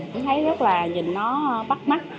mình thấy rất là nhìn nó bắt mắt